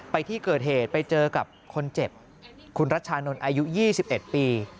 ไปที่เกิดเหตุไปเจอกับคนเจ็บคุณรัชชานนท์อายุ๒๑ปี